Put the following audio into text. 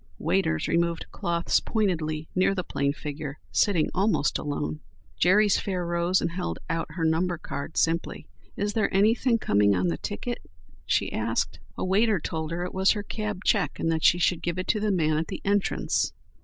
Waiters removed cloths pointedly near the plain figure sitting almost alone. Jerry's fare rose, and held out her numbered card simply: "Is there anything coming on the ticket?" she asked. A waiter told her it was her cab check, and that she should give it to the man at the entrance.